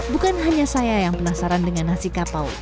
bukan hanya saya yang penasaran dengan nasi kapau